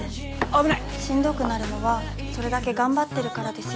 しんどくなるのはそれだけ頑張ってるからですよ